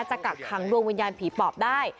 กักขังดวงวิญญาณผีปอบได้